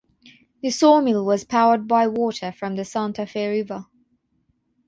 The sawmill was powered by water from the Santa Fe River.